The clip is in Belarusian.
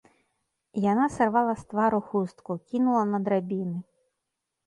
Яна сарвала з твару хустку, кінула на драбіны.